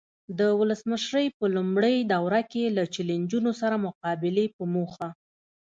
د ولسمشرۍ په لومړۍ دوره کې له چلنجونو سره مقابلې په موخه.